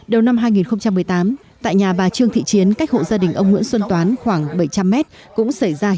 đầu năm hai nghìn một mươi tám tại nhà bà trương thị chiến cách hộ gia đình ông nguyễn xuân toán cũng xảy ra một bức tường ngăn giếng đó đổ